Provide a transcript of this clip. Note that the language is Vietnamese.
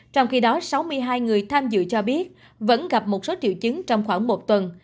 trong khi đó sáu mươi hai người tham dự cho biết vẫn gặp một số triệu chứng trong khoảng một tuần